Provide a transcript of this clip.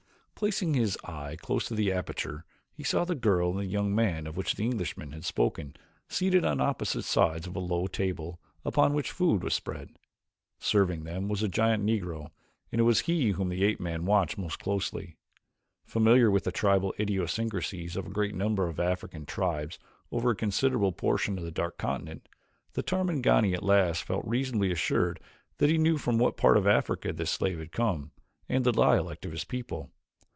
Placing his eye close to the aperture he saw the girl and the young man of which the Englishman had spoken seated on opposite sides of a low table upon which food was spread. Serving them was a giant Negro and it was he whom the ape man watched most closely. Familiar with the tribal idiosyncrasies of a great number of African tribes over a considerable proportion of the Dark Continent, the Tarmangani at last felt reasonably assured that he knew from what part of Africa this slave had come, and the dialect of his people.